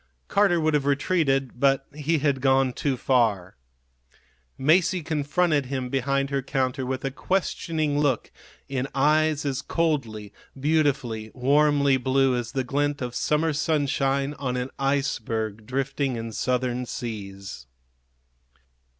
Carter would have retreated, but he had gone too far. Masie confronted him behind her counter with a questioning look in eyes as coldly, beautifully, warmly blue as the glint of summer sunshine on an iceberg drifting in Southern seas.